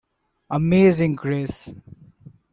Amazing Grace.